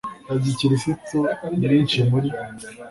ya gikristo Imyinshi muri